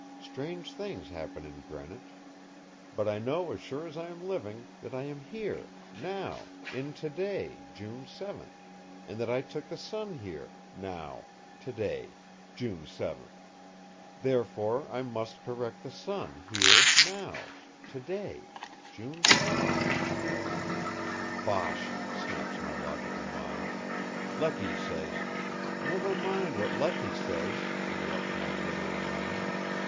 Strange things happen in Greenwich. But I know as sure as I am living that I am here, now, in to day, June 7, and that I took the sun here, now, to day, June 7. Therefore, I must correct the sun here, now, to day, June 7." "Bosh!" snaps my logical mind. "Lecky says—" "Never mind what Lecky says," interrupts my literal mind.